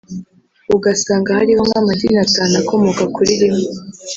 ugasanga hariho nk’amadini atanu akomoka kuri rimwe